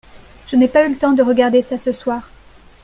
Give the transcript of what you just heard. je n'ai pas eu le temps de regarder ça ce soir.